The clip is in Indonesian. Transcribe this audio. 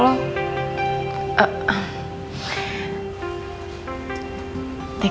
nanti akan ada saatnya kok